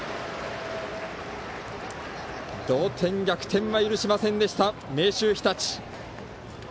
同点、逆転は許しませんでした明秀日立。